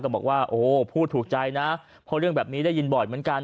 บอกว่าโอ้พูดถูกใจนะเพราะเรื่องแบบนี้ได้ยินบ่อยเหมือนกัน